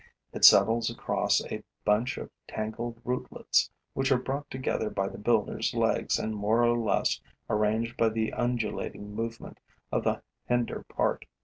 It settles across a bunch of tangled rootlets, which are brought together by the builder's legs and more or less arranged by the undulating movement of the hinder part.